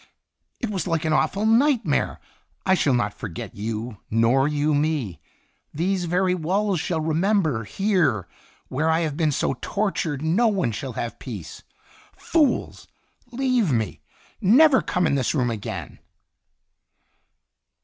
It was like an awful night mare. I shall not forget you, nor you me. These very walls shall remember here, where I have been so tortured no one shall have peace ! Fools ! Leave me ! Never come in this room again